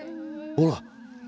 ほら！